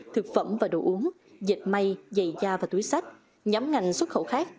thực phẩm và đồ uống dịch may dày da và túi sách nhóm ngành xuất khẩu khác